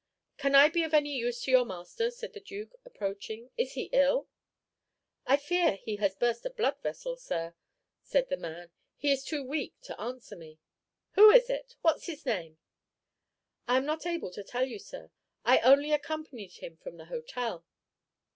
"Can I be of any use to your master?" said the Duke, approaching. "Is he ill?" "I fear he has burst a blood vessel, sir," said the man. "He is too weak to answer me." "Who is it, what 's his name?" "I am not able to tell you, sir; I only accompanied him from the hotel."